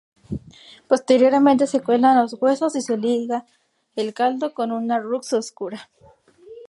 Posteriormente se cuelan los huesos y se liga el caldo con una roux oscura.